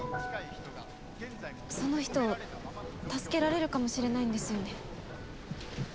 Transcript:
その人助けられるかもしれないんですよね。